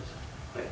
はい？